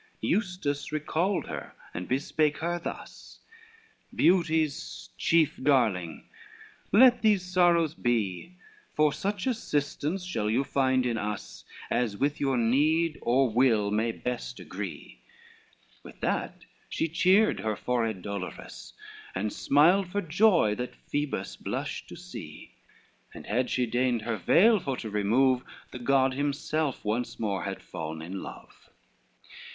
LXXXIV Eustace recalled her, and bespake her thus: "Beauty's chief darling, let those sorrows be, For such assistance shall you find in us As with your need, or will, may best agree:" With that she cheered her forehead dolorous, And smiled for joy, that Phoebus blushed to see, And had she deigned her veil for to remove, The God himself once more had fallen in love.